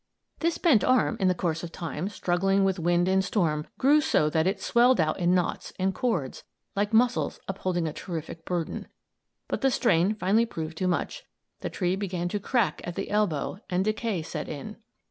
This bent arm, in course of time, struggling with wind and storm, grew so that it swelled out in knots and cords, like muscles upholding a terrific burden. But the strain finally proved too much. The tree began to crack at the elbow and decay set in.